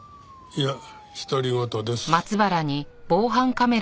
いや独り言です。